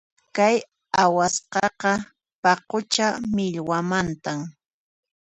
Kay awasqaqa paqucha millwamantam.